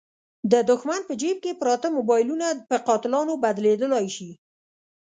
د دوښمن په جیب کې پراته موبایلونه په قاتلانو بدلېدلای شي.